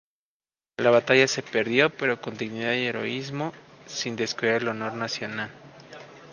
La batalla se perdió pero con dignidad y heroísmo, sin descuidar el honor nacional.